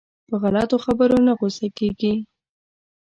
په غلطو خبرو نه غوسه کېږي.